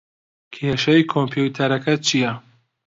کێشەی کۆمپیوتەرەکەت چییە؟